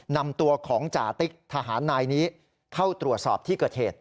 นำตัวของจติกทหารนายนี้เข้าตรวจสอบที่กระเทศ